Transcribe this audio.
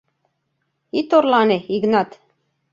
— Ит орлане, Игнат!